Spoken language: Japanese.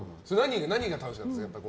何が楽しかったですか？